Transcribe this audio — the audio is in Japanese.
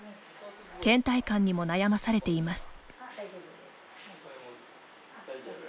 けん怠感にも悩まされています。